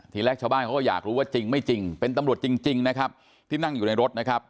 ทีแรกชาวบ้านเขาก็อยากรู้ว่าจริงไม่จริงเป็นตำรวจจริงนะครับที่นั่งอยู่ในรถนะครับ